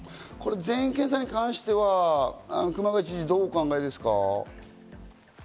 全員検査に関しては熊谷知事、どうお考えですか？